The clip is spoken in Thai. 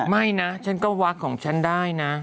ไม่นะฉันก็วักของฉันได้นะ